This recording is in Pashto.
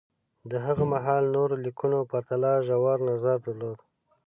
د هغه مهال نورو لیکنو پرتله ژور نظر درلود